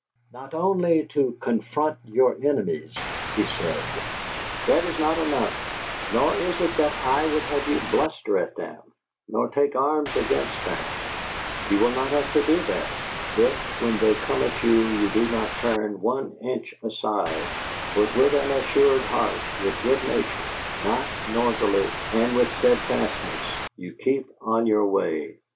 "Not only to confront your enemies," he said; "that is not enough; nor is it that I would have you bluster at them, nor take arms against them; you will not have to do that if, when they come at you, you do not turn one inch aside, but with an assured heart, with good nature, not noisily, and with steadfastness, you keep on your way.